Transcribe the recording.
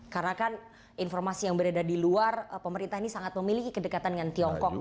karena kan informasi yang berada di luar pemerintah ini sangat memiliki kedekatan dengan tiongkok